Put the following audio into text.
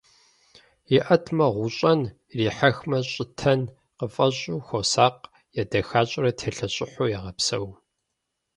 ИӀэтмэ, гъущӀэн, ирихьэхмэ, щӀытэн къыфэщӀу, хуосакъ, едэхащӀэрэ телъэщӀыхьу егъэпсэу.